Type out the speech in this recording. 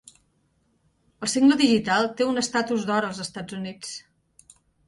El single digital té un estatus d'or als Estats Units.